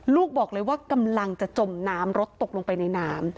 ลูกบอกเลยว่ากำลังจะจมน้ำรถตกลงไปในน้ำ